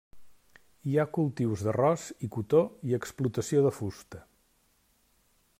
Hi ha cultius d'arròs i cotó i explotació de fusta.